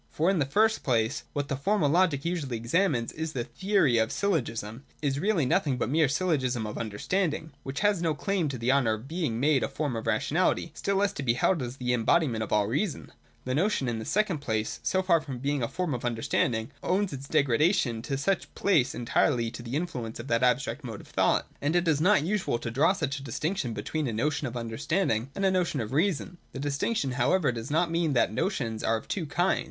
For, in the first place, what the Formal Logic usually examines in its theory of syllogism, is really nothing but the mere syllogism of understanding, which has no claim to the honour of being made a form of rationality, still less to be held as the em bodiment of all reason. The notion, in the second place, so far from being a form of understanding, owes its degradation 182,183.] QUALITATIVE SYLLOGISMS. 317 to such a place entirely to the influence of that abstract mode of thought. And it is not unusual to draw such a distinction between a notion of understanding and a notion of reason. The distinction however does not mean that notions are of two kinds.